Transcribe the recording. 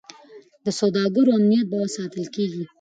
د سوداګرو امنیت به ساتل کیږي.